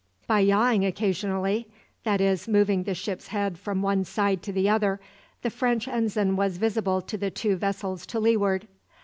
By yawing occasionally that is moving the ship's head from one side to the other the French ensign was visible to the two vessels to leeward.